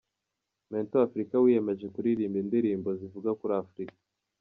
Mento Africa wiyemeje kuririmba indirimbo zivuga kuri Afrika.